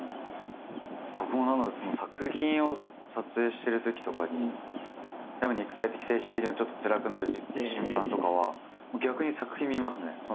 僕もなので作品を撮影してるときとかにやっぱ肉体的精神的にもちょっとつらくなる瞬間とかはもう逆に作品見ますね。